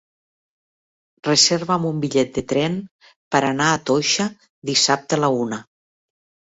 Reserva'm un bitllet de tren per anar a Toixa dissabte a la una.